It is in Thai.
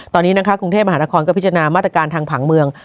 ตอนนี้นะคะกรุงเทพมหานครก็พิจารณามาตรการทางผังเมือง